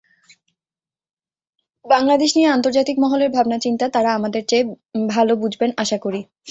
বাংলাদেশ নিয়ে আন্তর্জাতিক মহলের ভাবনাচিন্তা তাঁরা আমাদের চেয়ে ভালো বুঝবেন আশা করি।